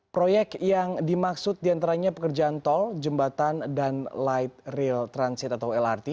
proyek yang dimaksud diantaranya pekerjaan tol jembatan dan light rail transit atau lrt